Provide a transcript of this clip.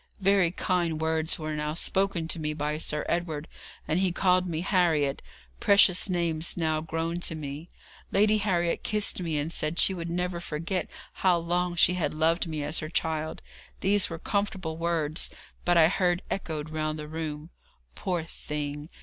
Very kind words were now spoken to me by Sir Edward, and he called me Harriet, precious name now grown to me. Lady Harriet kissed me, and said she would never forget how long she had loved me as her child. These were comfortable words, but I heard echoed round the room: 'Poor thing!